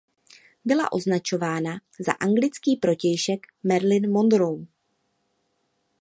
Byla označována za anglický protějšek Marilyn Monroe.